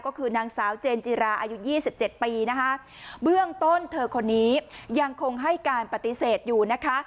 ก็คือนางสาวเจนจิราอายุยี่สิบเจ็ดปีนะคะเบื้องต้นเธอคนนี้ยังคงให้การปฏิเสธอยู่นะคะ